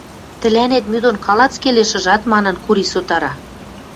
Тӹлӓнет мӱ дон калац келеш, ыжат?! — манын, Кури сотара.